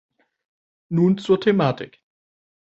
Nun zur Thematik.